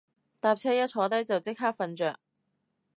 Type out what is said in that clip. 搭車一坐低就即刻瞓着